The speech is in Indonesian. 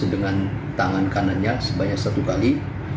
dengan tangan kanannya sebanyak satu kali